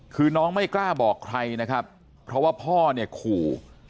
คือน้องไม่กล้าบอกใครนะครับเพราะว่าพ่อเนี่ยขู่